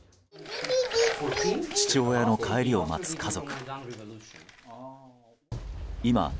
父親の帰りを待つ家族。